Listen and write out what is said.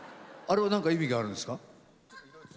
あれも意味があるんですか？